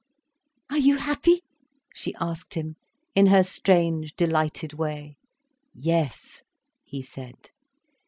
"Are you happy?" she asked him, in her strange, delighted way. "Yes," he said.